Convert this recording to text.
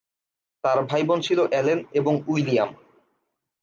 তার ভাইবোন ছিল এলেন এবং উইলিয়াম।